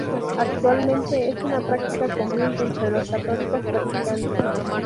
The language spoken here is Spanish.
Actualmente es una práctica común entre los católicos practicantes.